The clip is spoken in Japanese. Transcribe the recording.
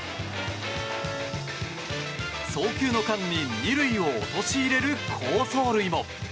送球の間に２塁を陥れる好走塁も。